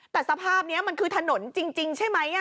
แต่สภาพนี้มันคือถนนจริงใช่ไหม